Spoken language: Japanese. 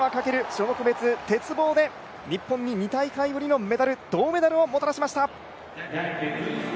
種目別鉄棒で日本に２大会ぶりのメダル銅メダルをもたらしました。